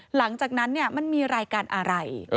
หลังจากนั้นมันมีรายการอะไร